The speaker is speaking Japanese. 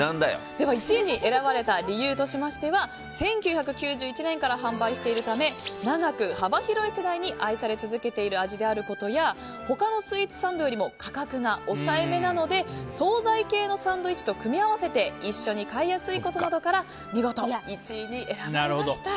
１位に選ばれた理由としては１９９１年から販売しているため長く、幅広い世代に愛され続けている味であることや他のスイーツサンドよりも価格が抑えめなので総菜系のサンドイッチと組み合わせて一緒に買いやすいことなどから見事、１位に選ばれました。